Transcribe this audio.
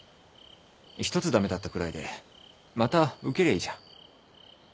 一つ駄目だったくらいでまた受けりゃいいじゃん。